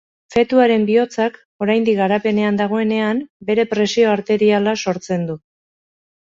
Fetuaren bihotzak, oraindik garapenean dagoenean, bere presio arteriala sortzen du.